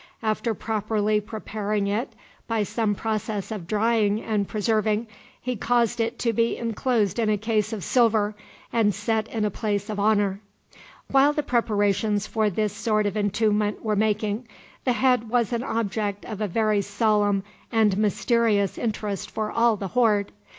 After properly preparing it, by some process of drying and preserving, he caused it to be inclosed in a case of silver, and set in a place of honor. While the preparations for this sort of entombment were making, the head was an object of a very solemn and mysterious interest for all the horde.